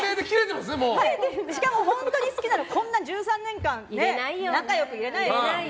しかも本当に好きじゃないならこんな１３年間仲良くいれないですよ。